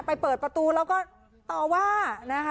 ไปเปิดประตูแล้วก็ตอนว่า